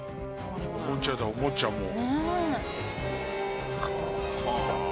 おもちゃだおもちゃもう。